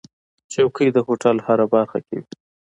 چوکۍ د هوټل هره برخه کې وي.